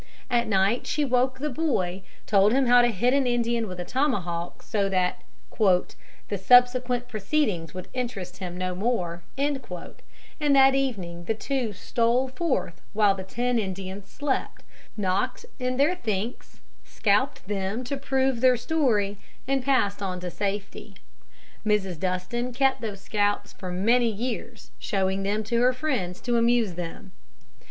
At night she woke the boy, told him how to hit an Indian with a tomahawk so that "the subsequent proceedings would interest him no more," and that evening the two stole forth while the ten Indians slept, knocked in their thinks, scalped them to prove their story, and passed on to safety. Mrs. Dustin kept those scalps for many years, showing them to her friends to amuse them.